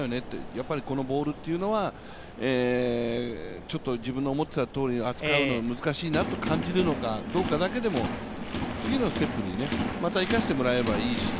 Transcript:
やっぱりこのボールっていうのは自分の思っていたとおりに扱うのが難しいと感じるのかどうかだけでも、次のステップに、また生かしてもらえればいいし。